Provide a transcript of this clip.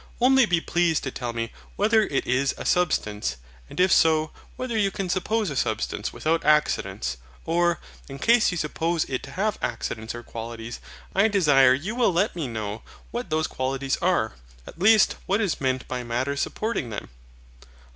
Only be pleased to tell me whether it is a Substance; and if so, whether you can suppose a Substance without accidents; or, in case you suppose it to have accidents or qualities, I desire you will let me know what those qualities are, at least what is meant by Matter's supporting them?